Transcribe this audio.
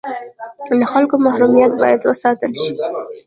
د خلکو محرمیت باید وساتل شي